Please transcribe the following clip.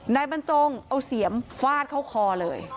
นายบรรจงเอาเสียมฟาดเข้าคอเลย